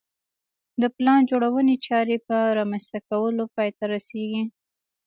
د پلان جوړونې چارې په رامنځته کولو پای ته رسېږي